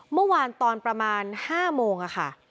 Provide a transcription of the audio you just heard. เมื่อวานตอนประมาณ๕โมงค่ะ